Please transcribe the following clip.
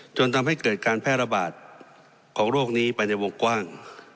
จนทำให้เกิดการแพร่ระบาดของโรคนี้ไปในวงกว้าง